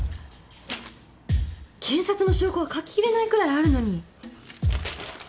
検察の証拠は書ききれないくらいあるのに。